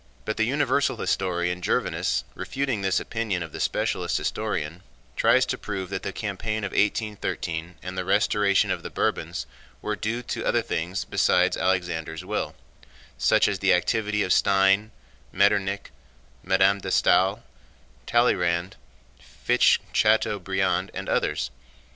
But the universal historian Gervinus, refuting this opinion of the specialist historian, tries to prove that the campaign of 1813 and the restoration of the Bourbons were due to other things beside Alexander's will—such as the activity of Stein, Metternich, Madame de Staël, Talleyrand, Fichte, Chateaubriand, and others.